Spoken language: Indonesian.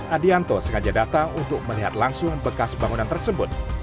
adianto sengaja datang untuk melihat langsung bekas bangunan tersebut